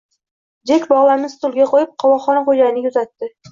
Jek bog`lamni stolga qo`yib, qovoqxona xo`jayniga uzatdi